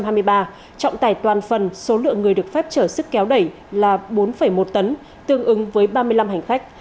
trọng tài toàn phần số lượng người được phép chở sức kéo đẩy là bốn một tấn tương ứng với ba mươi năm hành khách